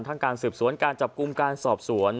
การสืบสวนการจับกลุ่มการสอบสวน